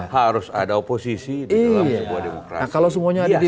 harus ada oposisi di dalam sebuah demokrasi